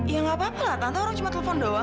ya nggak apa apa tante orang cuma telepon doang